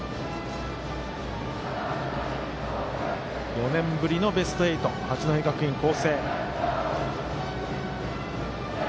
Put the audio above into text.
４年ぶりのベスト８八戸学院光星。